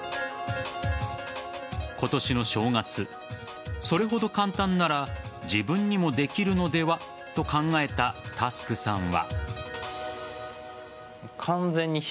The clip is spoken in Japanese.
今年の正月それほど簡単なら自分にもできるのではと考えたタスクさんは。